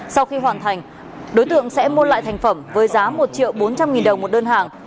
sau khi hoàn thành đối tượng sẽ mua lại thành phẩm với giá một triệu bốn trăm linh nghìn đồng một đơn hàng